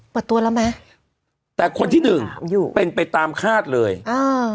เปิดตัวแล้วไหมแต่คนที่หนึ่งอยู่เป็นไปตามคาดเลยอ่า